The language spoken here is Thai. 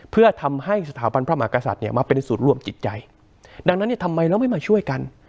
เพื่อทำให้สถาบันพระมหากษัตริย์เนี่ยมาเป็นสูตรร่วมจิตใจดังนั้นเนี่ยทำไมเราไม่มาช่วยกัน